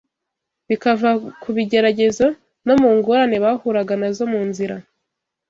bikava ku bigeragezo no mu ngorane bahuraga na zo mu nzira